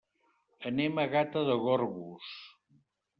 Anem a Gata de Gorgos.